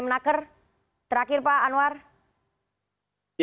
banyak perusahaan yang belum membayar thr dua ribu dua puluh kepada para pegawainya